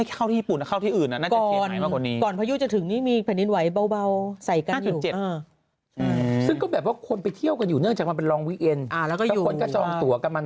ไม่มีอะไรขึ้นเลยเขารับมือแบบเตรียมตัวรับมืออย่างหนัก